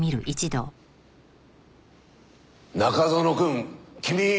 中園くん君。